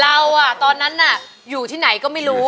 เราตอนนั้นน่ะอยู่ที่ไหนก็ไม่รู้